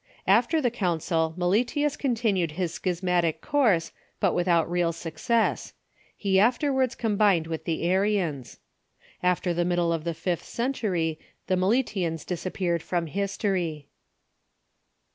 After the council, Meletius continued his schis matic course, but without real success. He afterwards com bined with the Arians. After the middle of the fifth century the Meletians disappeared from history.